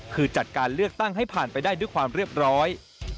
คือจัดการเลือกตั้งให้ผ่านไปได้ด้วยความเรียบร้อย